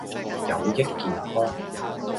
有益健康